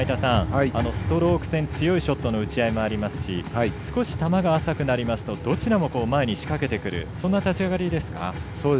ストローク戦、強いショットの打ち合いもありますし少し球が浅くなりますとどちらも前に仕掛けてくるそんな立ち上がりですか？